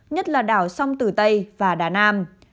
nhất là đảo sông tử tây và đà nam